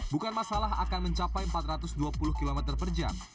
bukan masalah akan mencapai empat ratus dua puluh km per jam